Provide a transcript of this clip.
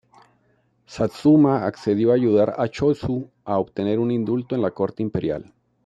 Satsuma accedió a ayudar a Chōshū a obtener un indulto de la Corte Imperial.